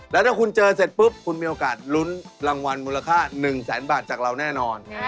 แล้วถ้าคุณเจอเสร็จปุ๊บคุณมีโอกาสลุ้นรางวัลมูลค่า๑แสนบาทจากเราแน่นอน